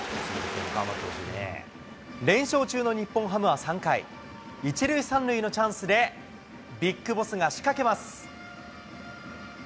連勝中の日本ハムは３回、１塁３塁のチャンスでＢＩＧＢＯＳＳが仕掛けます。